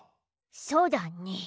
そうだね。